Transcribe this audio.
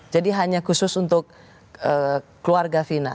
jadi hanya khusus untuk keluarga vina